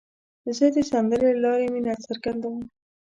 زه د سندرې له لارې مینه څرګندوم.